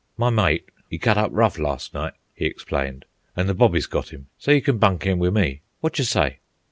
"My mate, 'e cut up rough las' night," he explained. "An' the bobbies got 'm, so you can bunk in wi' me. Wotcher say?"